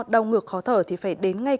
đau ngược khó thở thì phải đến ngay